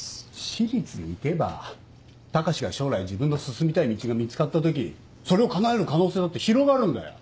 私立に行けば高志が将来自分の進みたい道が見つかった時それをかなえる可能性だって広がるんだよ。